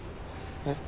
えっ？